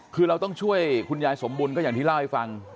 คือเราต้องช่วยคุณยายสมบุญก็อย่างที่เล่าให้ฟัง